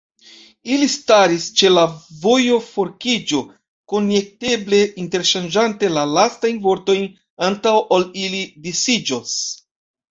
Ili staris ĉe la vojoforkiĝo, konjekteble interŝanĝante la lastajn vortojn, antaŭ ol ili disiĝos.